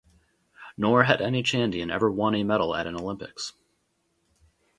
Nor had any Chadian ever won a medal at an Olympics.